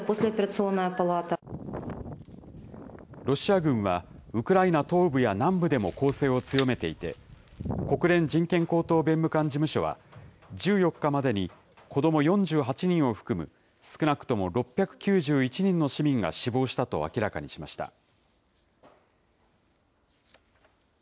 ロシア軍は、ウクライナ東部や南部でも攻勢を強めていて、国連人権高等弁務官事務所は、１４日までに、子ども４８人を含む少なくとも６９１人の市民が死亡したと明らかにしました。